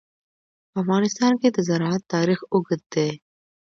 په افغانستان کې د زراعت تاریخ اوږد دی.